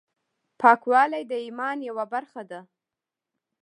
پاکوالی د ایمان یوه برخه ده.